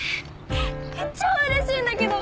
超うれしいんだけど！